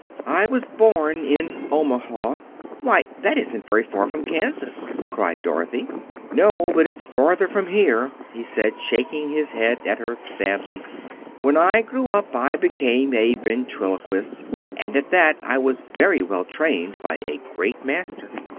"I was born in Omaha—" "Why, that isn't very far from Kansas!" cried Dorothy. "No, but it's farther from here," he said, shaking his head at her sadly. "When I grew up I became a ventriloquist, and at that I was very well trained by a great master.